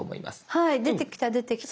はい出てきた出てきた。